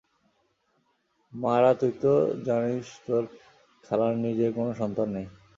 মারা তুই তো জানিস তোর খালার নিজের কোনো সন্তান নেই।